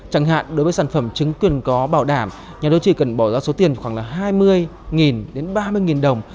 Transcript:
chẳng hạn đối với sản phẩm chứng quyền có bảo đảm nhà đầu chỉ cần bỏ ra số tiền khoảng là hai mươi đến ba mươi đồng